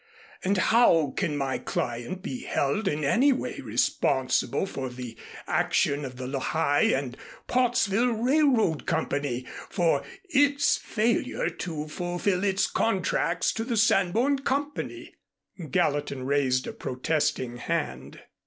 And how can my client be held in any way responsible for the action of the Lehigh and Pottsville Railroad Company for its failure to fulfill its contracts to the Sanborn Company?" Gallatin raised a protesting hand.